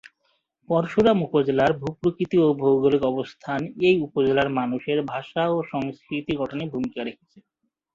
পরশুরাম উপজেলার ভূ-প্রকৃতি ও ভৌগোলিক অবস্থান এই উপজেলার মানুষের ভাষা ও সংস্কৃতি গঠনে ভূমিকা রেখেছে।